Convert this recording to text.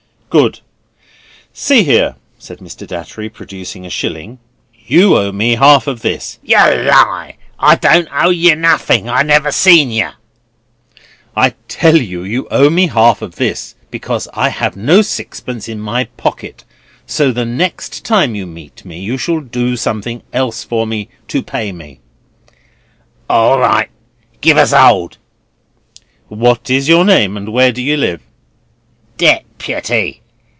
"Good. See here," said Mr. Datchery, producing a shilling. "You owe me half of this." "Yer lie! I don't owe yer nothing; I never seen yer." "I tell you you owe me half of this, because I have no sixpence in my pocket. So the next time you meet me you shall do something else for me, to pay me." "All right, give us 'old." "What is your name, and where do you live?" "Deputy.